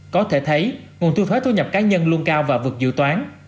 có thể thấy nguồn thu thuế thu nhập cá nhân luôn cao và vượt dự toán